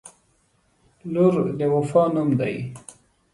• لور د وفا نوم دی.